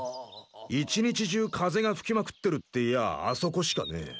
１日中風が吹きまくってるっていやああそこしかねえ。